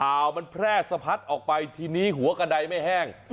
ข่าวมันแพร่สะพัดออกไปทีนี้หัวกระดายไม่แห้ง